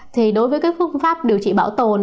thì đối với các phương pháp điều trị bảo tồn